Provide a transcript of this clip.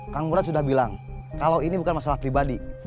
kang murad sudah bilang kalau ini bukan masalah pribadi